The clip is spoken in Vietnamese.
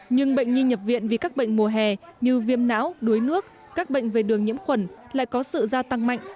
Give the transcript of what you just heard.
nhưng bệnh nhi nhập viện vì các bệnh mùa hè như viêm não đuối nước các bệnh về đường nhiễm khuẩn lại có sự gia tăng mạnh